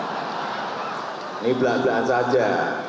ini belak belakan saja